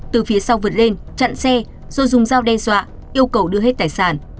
từ phía sau vượt lên chặn xe rồi dùng dao đe dọa yêu cầu đưa hết tài sản